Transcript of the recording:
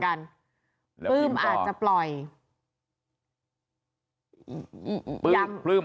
ก็เผื่อปล่อย